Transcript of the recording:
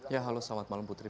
ya halo selamat malam putri